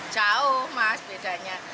jauh mas bedanya